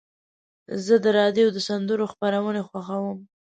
زه د راډیو د سندرو خپرونې خوښوم.